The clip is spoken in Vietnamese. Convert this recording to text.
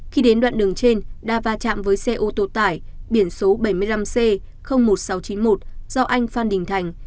khi đến đoạn đường trên đa va chạm với xe ô tô tải biển số bảy mươi năm c một nghìn sáu trăm chín mươi một do anh phan đình thành